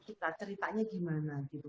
kita ceritanya gimana gitu